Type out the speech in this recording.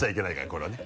これはね。